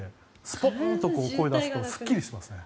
スポッと声を出すとすっきりしますね。